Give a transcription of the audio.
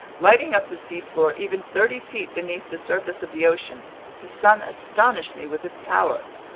Lighting up the seafloor even thirty feet beneath the surface of the ocean, the sun astonished me with its power.